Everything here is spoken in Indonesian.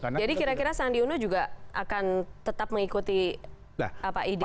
jadi kira kira sandi uno juga akan tetap mengikuti ide anda